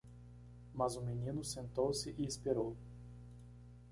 Mas o menino sentou-se e esperou.